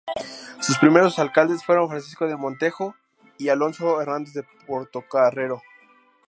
Sus primeros alcaldes fueron Francisco de Montejo y Alonso Hernández de Portocarrero.